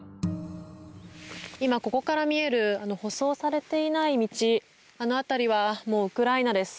今ここから見えるあの舗装されていない道あの辺りはもうウクライナです。